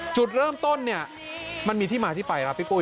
จุดเริ่มต้นมันมีที่มาที่ไปพี่ปุ๋ย